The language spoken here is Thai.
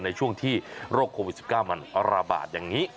ในช่วงที่โรคโควิด๑๙มันระบาดอย่างนี้